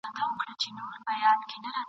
لکه غل چي یې په سترګو وي لیدلی !.